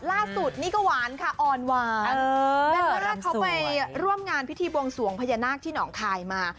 ล่าสุดนี่ก็หวานค่ะอ่อนหวานเบลล่าเขาไปร่วมงานพิธีบวงสวงพญานาคที่หนองคายมา